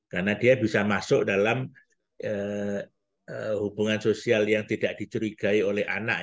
karena dia bisa masuk dalam hubungan sosial yang tidak dicurigai oleh anak